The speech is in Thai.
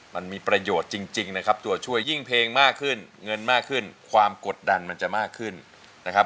มันมีประโยชน์จริงนะครับตัวช่วยยิ่งเพลงมากขึ้นเงินมากขึ้นความกดดันมันจะมากขึ้นนะครับ